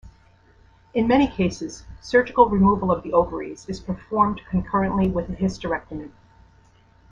In many cases, surgical removal of the ovaries is performed concurrently with a hysterectomy.